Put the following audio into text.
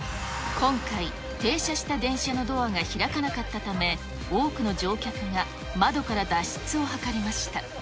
今回、停車した電車のドアが開かなかったため、多くの乗客が窓から脱出を図りました。